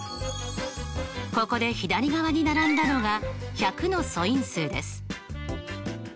ここで左側に並んだのが１００の素因数です。